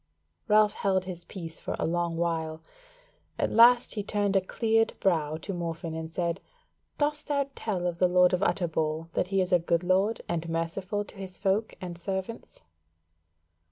Ralph held his peace for a long while; at last he turned a cleared brow to Morfinn and said; "Dost thou tell of the Lord of Utterbol that he is a good lord and merciful to his folk and servants?"